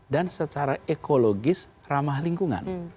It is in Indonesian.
dan secara ekologis ramah lingkungan